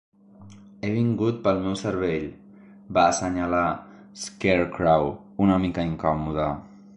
"He vingut pel meu cervell", va assenyalar Scarecrow, una mica incòmode..